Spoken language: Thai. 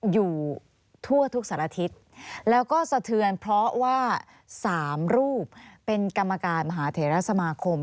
อยู่ทั่วทุกสารทิศแล้วก็สะเทือนเพราะว่า๓รูปเป็นกรรมการมหาเถระสมาคม